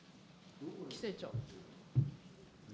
規制庁。